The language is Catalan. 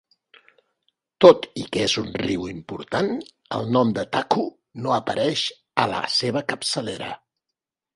Tot i que és un riu important, el nom de Taku no apareix a la seva capçalera.